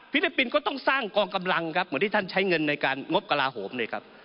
ลิปปินส์ก็ต้องสร้างกองกำลังครับเหมือนที่ท่านใช้เงินในการงบกระลาโหมเลยครับ